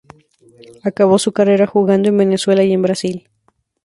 Acabó su carrera jugando en Venezuela y en Brasil.